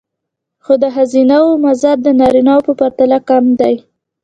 خو د ښځینه وو مزد د نارینه وو په پرتله کم دی